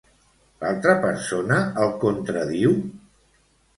L'altra persona el contradiu?